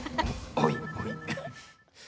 おい。